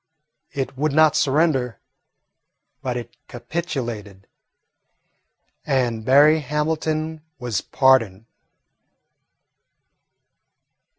It would not surrender, but it capitulated, and Berry Hamilton was pardoned.